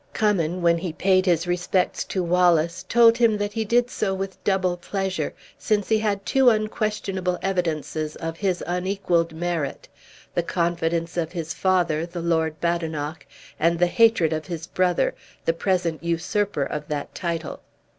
Cummin, when he paid his respects to Wallace, told him that he did so with double pleasure, since he had two unquestionable evidences of his unequaled merit the confidence of his father, the Lord Badenoch, and the hatred of his brother, the present usurper of that title.